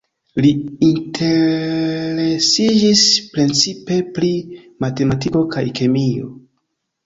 Li interesiĝis precipe pri matematiko kaj kemio.